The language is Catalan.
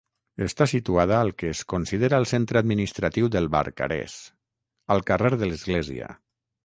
Està situada al que es considera el centre administratiu del Barcarès, al carrer de l'Església.